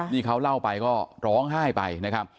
นี่เขาเล่าไปก็ร้องไห้ไปนะครับ